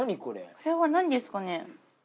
これは何ですかね？